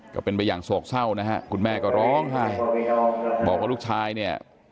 ก็เป็นไปอย่างโศกเศร้านะฮะคุณแม่ก็ร้องไห้บอกว่าลูกชายเนี่ย